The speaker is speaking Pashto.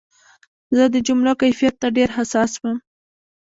زه د جملو کیفیت ته ډېر حساس وم.